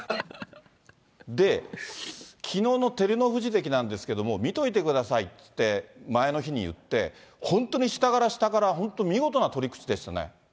で、きのうの照ノ富士関なんですけども、見といてくださいって、前の日に言って、本当に下から下から、本当、見事な取口でしたね。